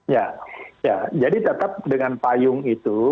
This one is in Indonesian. ya jadi tetap dengan payung itu